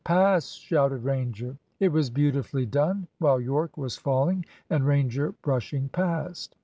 "Pass!" shouted Ranger. It was beautifully done, while Yorke was falling and Ranger brushing past.